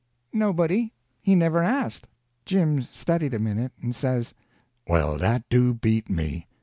"Nobody. He never asked." Jim studied a minute, and says: "Well, dat do beat me.